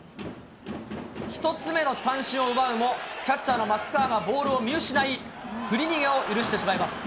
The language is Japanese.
１つ目の三振を奪うも、キャッチャーのまつかわがボールを見失い、振り逃げを許してしまいます。